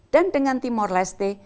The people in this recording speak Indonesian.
dan dengan timor leste